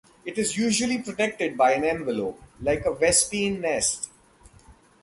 It is usually protected by an envelope, like a vespine nest.